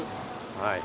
はい。